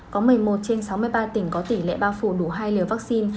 có một mươi một trên sáu mươi ba tỉnh có tỷ lệ bao phủ đủ hai liều vaccine